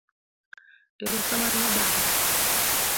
Ero kamano Baba.